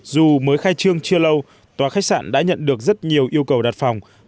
dù mới khai trương chưa lâu tòa khách sạn đã nhận được rất nhiều yêu cầu đặt phòng